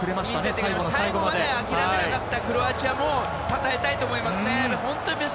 最後の最後まで諦めなかったクロアチアもたたえたいと思います。